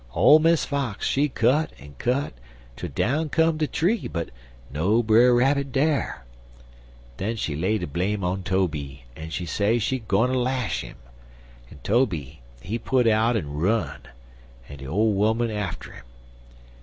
Ole Miss Fox, she cut and cut twel down come de tree, but no Brer Rabbit dar. Den she lay de blame on Tobe, en she say she gwineter lash 'im, en Tobe, he put out en run, de ole 'oman atter 'im.